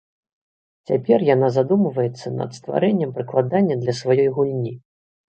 Цяпер яна задумваецца над стварэннем прыкладання для сваёй гульні.